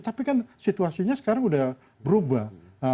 tapi kan situasinya sekarang sudah berubah